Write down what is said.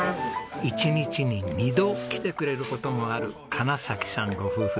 一日に２度来てくれる事もある金さんご夫婦です。